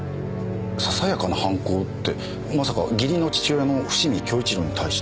ささやかな反抗ってまさか義理の父親の伏見亨一良に対して？